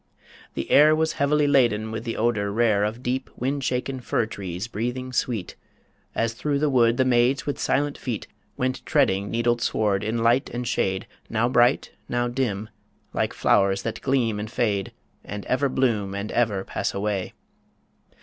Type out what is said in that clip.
The air Was heavily laden with the odour rare Of deep, wind shaken fir trees, breathing sweet, As through the wood, the maids, with silent feet, Went treading needled sward, in light and shade, Now bright, now dim, like flow'rs that gleam and fade, And ever bloom and ever pass away